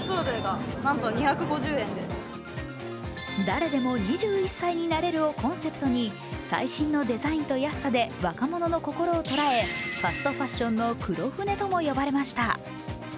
「誰でも２１歳になれる」をコンセプトに最新のデザインと安さで若者の心を捉えファストファッションの黒船とも呼ばれました。